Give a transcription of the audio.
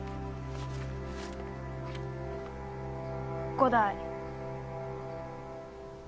伍代。